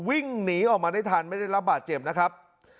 วิ่งหนีออกมาได้ทันไม่ได้รับบาดเจ็บนะครับ